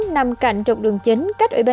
nằm cạnh trục đường chính cách ủy ban